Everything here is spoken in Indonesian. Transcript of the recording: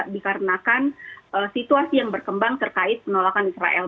dikarenakan situasi yang berkembang terkait penolakan israel